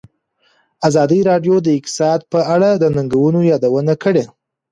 ازادي راډیو د اقتصاد په اړه د ننګونو یادونه کړې.